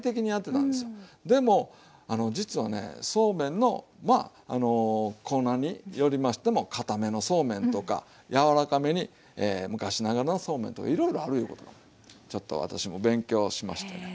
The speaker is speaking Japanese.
でも実はねそうめんのコーナーに寄りましてもかためのそうめんとか柔らかめに昔ながらのそうめんとかいろいろあるいうことがちょっと私も勉強しましてね。